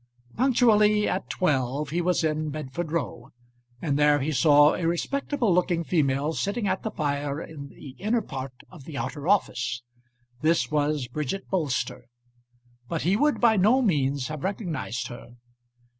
Punctually at twelve he was in Bedford Row, and there he saw a respectable looking female sitting at the fire in the inner part of the outer office. This was Bridget Bolster, but he would by no means have recognised her.